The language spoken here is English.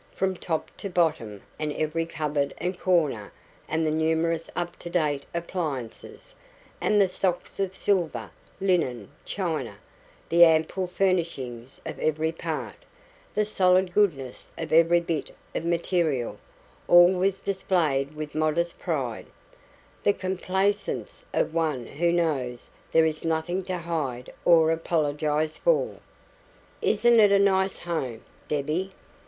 From top to bottom, and every cupboard and corner, and the numerous up to date appliances, and the stocks of silver, linen, china, the ample furnishings of every part, the solid goodness of every bit of material all was displayed with modest pride, the complacence of one who knows there is nothing to hide or apologise for. "Isn't it a nice home, Debbie?